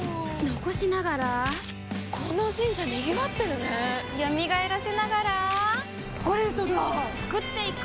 残しながらこの神社賑わってるね蘇らせながらコレドだ創っていく！